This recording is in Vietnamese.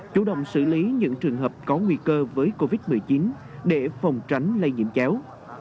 chủ động xử lý những trường hợp có nguy cơ với covid một mươi chín để phòng tránh lây nhiễm chéo